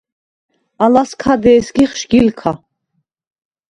ალას ქა დე̄სგიხ შგილქა.